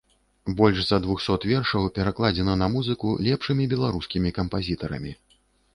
Больш за двухсот вершаў пакладзена на музыку лепшымі беларускімі кампазітарамі.